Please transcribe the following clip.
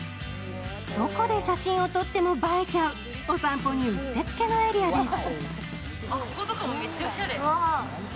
どこで写真を撮っても映えちゃう、お散歩にうってつけのエリアです。